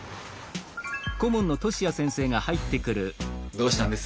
どうしたんです？